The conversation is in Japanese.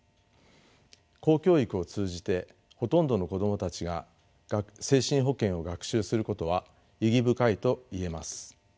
公教育を通じてほとんどの子供たちが精神保健を学習することは意義深いと言えます。